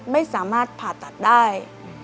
ไม่สามารถผ่าตัดได้